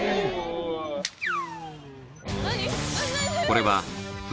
［これは］